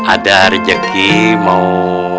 ada rezeki mau